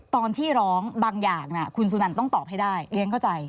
ตอนที่ร้องบางอย่างคุณสุนันต้องตอบให้ได้เรียนเข้าใจ